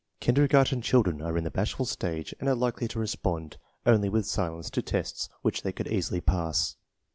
Kinder garten children are in the bashful stage and are likely to respond only with silence to tests which they could easily pass.